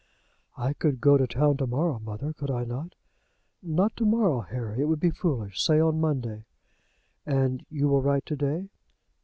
"I could go to town to morrow, mother; could I not?" "Not to morrow, Harry. It would be foolish. Say on Monday." "And you will write to day?"